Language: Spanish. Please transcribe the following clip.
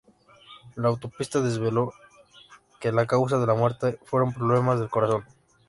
La autopsia desveló que la causa de la muerte fueron problemas del corazón.